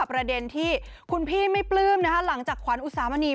ประเด็นที่คุณพี่ไม่ปลื้มนะคะหลังจากขวัญอุสามณี